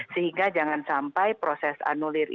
sehingga jangan sampai proses anulir ini